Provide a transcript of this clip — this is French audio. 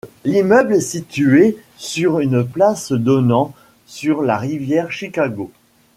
L'immeuble est situé sur une place donnant sur la rivière Chicago.